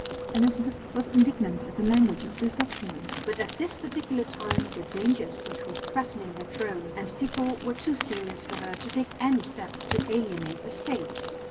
Elizabeth was indignant at the language of this document, but at this particular time the dangers which were threatening her throne and people were too serious for her to take any steps to alienate the States.